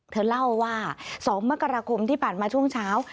เธอเล่าว่า๒มกราคมที่ผ่านมาช่วงเช้า